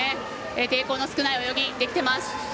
抵抗の少ない泳ぎできています。